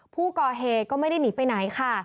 ผู้ก่อเหตุก็ไม่ได้หนีไปไหนค่ะ